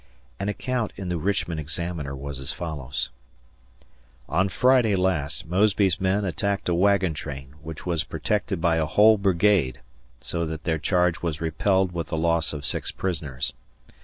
An account in the Richmond Examiner was as follows: On Friday last Mosby's men attacked a wagon train, which was protected by a whole brigade, so that their charge was repelled with the loss of six prisoners.